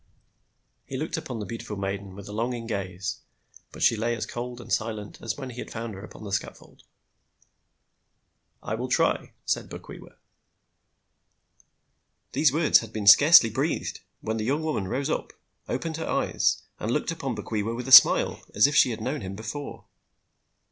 He looked upon the beautiful maiden with a longing gaze; but she lay as cold and silent as when he had found her upon the scatfold. "I will try," said Bokwewa. These words had been scarcely breathed, when the young woman rose up, opened her eyes, and looked upon Bokwewa with a smile, as if she had known him before.